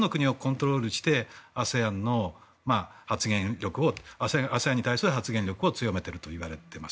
コントロールしてＡＳＥＡＮの発言力を強めているといわれています。